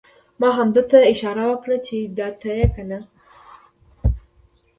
ما همده ته اشاره وکړه چې دا ته یې کنه؟!